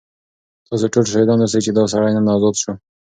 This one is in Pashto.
تاسو ټول شاهدان اوسئ چې دا سړی نن ازاد شو.